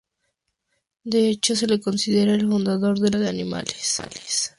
De hecho, se le considera el fundador de la pintura de animales.